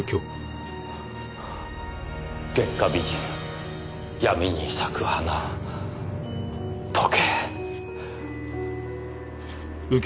月下美人闇に咲く花時計。